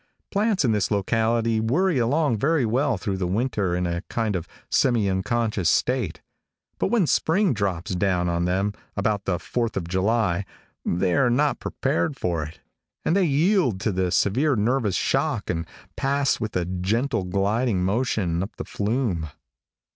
Plants in this locality worry along very well through the winter in a kind of semi unconscious state, but when spring drops down on them about the Fourth of July they are not prepared for it, and they yield to the severe nervous shock and pass with a gentle gliding motion up the flume.